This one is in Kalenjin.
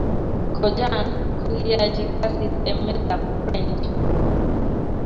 Kojan kokiyachi kasit emet ab french